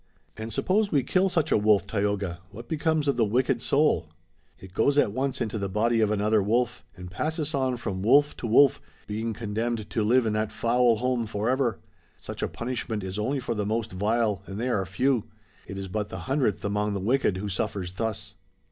"And suppose we kill such a wolf, Tayoga, what becomes of the wicked soul?" "It goes at once into the body of another wolf, and passes on from wolf to wolf, being condemned to live in that foul home forever. Such a punishment is only for the most vile, and they are few. It is but the hundredth among the wicked who suffers thus."